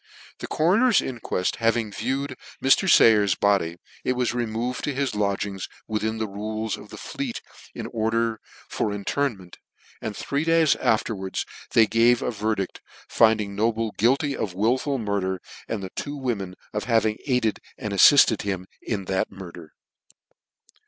The coroner's inqueft having viewed Mr. Sayer's body, it was removed to his lodgings within the rules of the Fleet in order for inter, ment ; and three days afterwards they gave a ver dict, rinding Noble guilty of wilful murder, and the women of having aided and affifted him in C that murder.